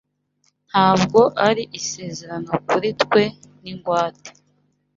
ntabwo ari isezerano kuri twe n’ingwate